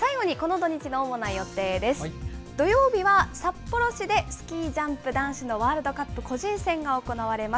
土曜日は札幌市でスキージャンプ男子のワールドカップ個人戦が行われます。